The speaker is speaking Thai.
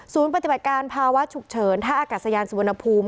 ปฏิบัติการภาวะฉุกเฉินท่าอากาศยานสุวรรณภูมิ